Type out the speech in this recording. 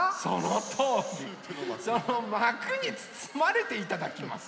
そのまくにつつまれていただきます。